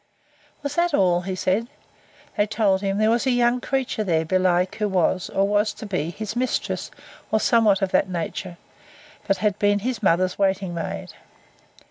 Was that all? he said. They told him, there was a young creature there, belike who was, or was to be, his mistress, or somewhat of that nature; but had been his mother's waiting maid.